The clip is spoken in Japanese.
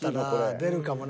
出るかもな。